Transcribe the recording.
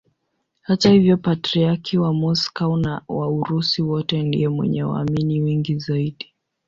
Hata hivyo Patriarki wa Moscow na wa Urusi wote ndiye mwenye waamini wengi zaidi.